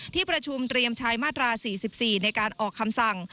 ที่ประชุมเตรียมใช้มาตรา๔๔ในการออกคำสั่ง